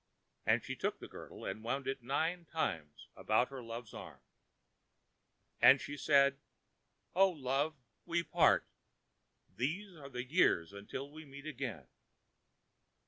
And she took the girdle and wound it nine times about her loveãs arm, and she said, ãO love, we part: these are the years until we meet again.